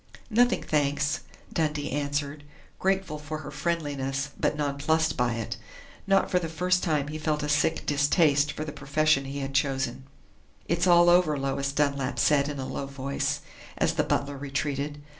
"Nothing, thanks," Dundee answered, grateful for her friendliness but nonplussed by it. Not for the first time he felt a sick distaste for the profession he had chosen.... "It's all over," Lois Dunlap said in a low voice, as the butler retreated.